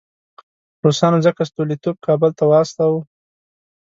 روسانو ځکه ستولیتوف کابل ته واستاوه.